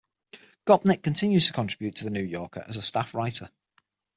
Gopnik continues to contribute to "The New Yorker" as a staff writer.